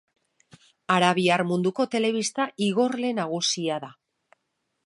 Arabiar munduko telebista igorle nagusia da.